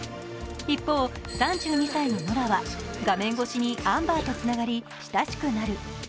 一方、３２歳のノラは画面越しにアンバーとつながり親しくなる。